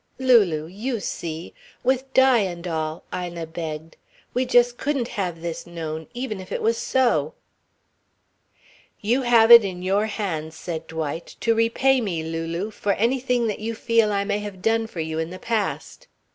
"Lulu you see! With Di and all!" Ina begged. "We just couldn't have this known even if it was so." "You have it in your hands," said Dwight, "to repay me, Lulu, for anything that you feel I may have done for you in the past.